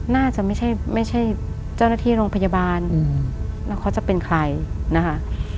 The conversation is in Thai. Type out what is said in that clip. น่าจะไม่ใช่เจ้าหน้าที่โรงพยาบาลแล้วเขาจะเป็นใครนะคะ